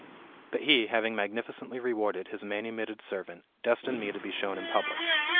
But he, having magnificently rewarded his manu mitted servant, destined me to be shown in public.